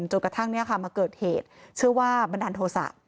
จนกระทั่งมาเกิดเหตุเชื่อว่าบันดาลโทษะ